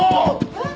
えっ？